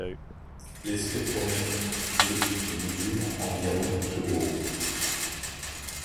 Les spectromètres ' de et mesurent environ de haut.